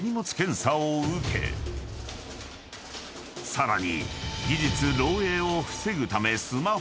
［さらに］